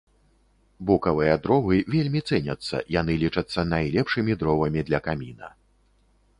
Букавыя дровы вельмі цэняцца, яны лічацца найлепшымі дровамі для каміна.